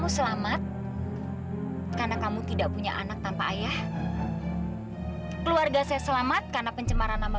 sampai jumpa di video selanjutnya